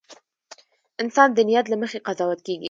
• انسان د نیت له مخې قضاوت کېږي.